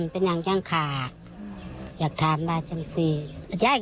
เป็นอย่างรักอยากทำบ้างของข้าน้อง